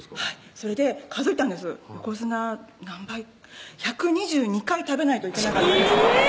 それで数えたんです横綱何杯？１２２回食べないといけなかったんですよ